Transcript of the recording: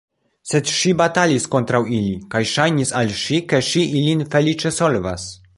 Sed ŝi batalis kontraŭ ili, kaj ŝajnis al ŝi, ke ŝi ilin feliĉe solvas.